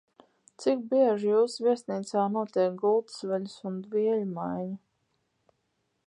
Cik bieži jūsu viesnīcā notiek gultas veļas un dvieļu maiņa?